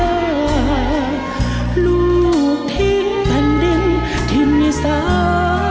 และลูกทิ้งบันเด็นที่มันสาน